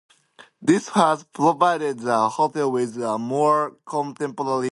This has provided the hotel with a more contemporary room design.